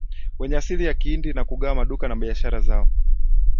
wenye asili ya Kihindi na kugawa maduka na biashara zao